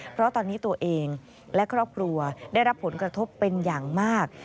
เพราะตอนนี้ตัวเองและครอบครัวได้รับผลกระทบเป็นอย่างมาก